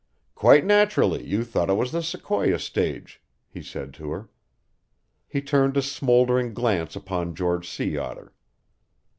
"Quite naturally, you thought it was the Sequoia stage," he said to her. He turned a smoldering glance upon George Sea Otter.